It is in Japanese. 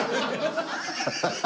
ハハハハ！